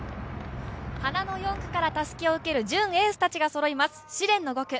花の４区からたすきを受ける準エースたちがそろいます試練の５区。